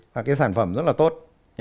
là cái sản phẩm rất là tốt